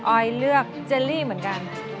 ออยเลือกเจลลี่เหมือนกัน